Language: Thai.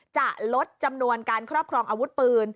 จะลดจำนวนการครอบครองอาวุธปืน